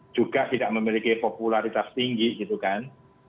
juga tidak memiliki popularitas tinggi gitu kan